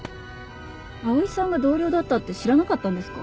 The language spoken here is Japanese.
葵さんが同僚だったって知らなかったんですか？